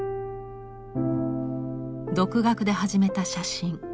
独学で始めた写真。